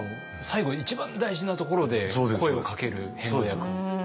最後一番大事なところで声をかける遍路役。